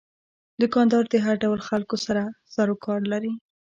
دوکاندار د هر ډول خلکو سره سروکار لري.